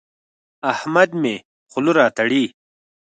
احمد مې خوله راتړي.